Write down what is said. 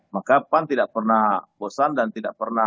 maka pan tidak pernah bosan dan tidak pernah